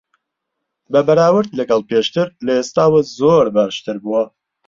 بە بەراورد لەگەڵ پێشتر، لە ئێستاوە زۆر باشتر بووە.